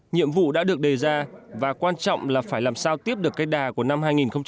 nhiệm vụ đã được đề ra và quan trọng là phải làm sao tiếp được cái đà của năm hai nghìn một mươi bảy